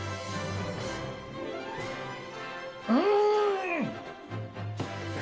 うん！